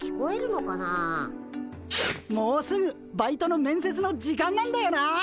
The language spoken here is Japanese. もうすぐバイトの面接の時間なんだよな。